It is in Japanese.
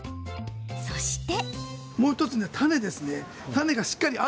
そして。